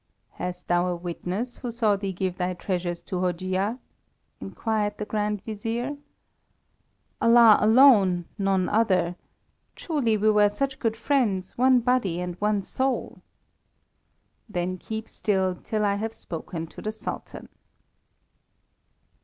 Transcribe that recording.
"Hast thou a witness who saw thee give thy treasures to Hojia?" inquired the Grand Vizier. "Allah alone, none other. Truly we were such good friends, one body and one soul." "Then keep still till I have spoken to the Sultan."